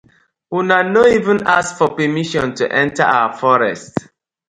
Una no even ask for permission to enter our forest.